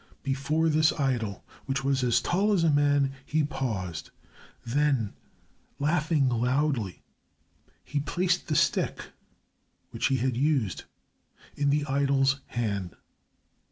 Before this idol, which was as tall as a man, he paused. Then, laughing loudly, he placed the stick which he had used in the idol's hand.